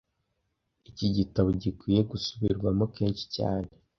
Iki gitabo gikwiye gusubirwamo kenshi cyane